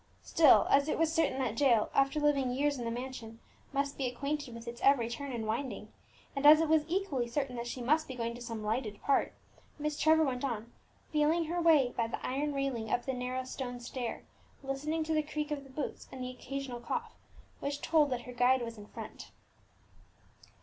Still, as it was certain that Jael, after living for years in the mansion, must be acquainted with its every turn and winding, and as it was equally certain that she must be going to some lighted part, Miss Trevor went on, feeling her way by the iron railing up the narrow stone stair, listening to the creak of the boots and the occasional cough, which told that her guide was in front.